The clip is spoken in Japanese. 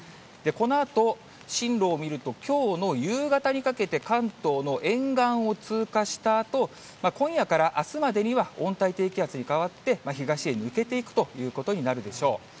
このあと、進路を見るときょうの夕方にかけて、関東の沿岸を通過したあと、今夜からあすまでには、温帯低気圧に変わって、東へ抜けていくということになるでしょう。